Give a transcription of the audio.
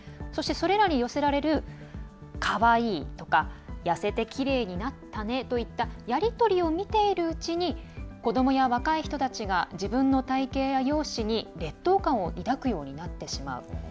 そして、それらに寄せられるかわいいとか痩せてきれいになったねといったやり取りを見ているうちに子どもや若い人たちが自分の体型や容姿に劣等感を抱くようになってしまう。